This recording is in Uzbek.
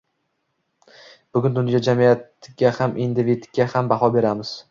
Bugun dunyo jamiyatga ham, individga ham baho beramiz